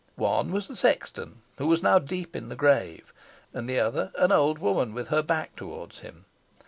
One was the sexton, who was now deep in the grave; and the other an old woman, with her back towards him.